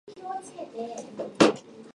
岩手県大槌町